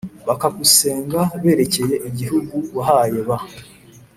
bakagusenga berekeye igihugu wahaye ba